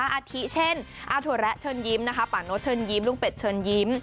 อาทิเช่นอาถั่วแระเชิญยิ้มนะคะป่าโน๊ตเชิญยิ้มลุงเป็ดเชิญยิ้ม